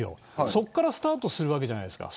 そこからスタートじゃないですか。